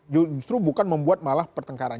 justru bukan membuat malah pertengkaran